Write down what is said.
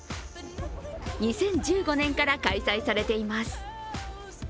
２０１５年から開催されています。